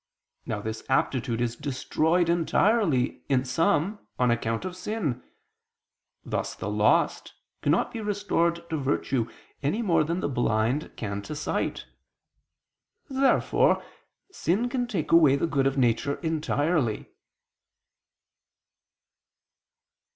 Now this aptitude is destroyed entirely in some on account of sin: thus the lost cannot be restored to virtue any more than the blind can to sight. Therefore sin can take away the good of nature entirely.